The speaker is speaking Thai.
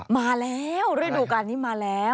มาแล้วเรื่องดูการนี้มาแล้ว